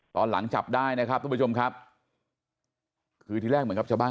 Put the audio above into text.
ตอนหลังจับได้นะครับทุกผู้ชมครับคือที่แรกเหมือนกับชาวบ้าน